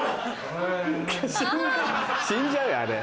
死んじゃうよあれ。